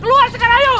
keluar sekarang ayo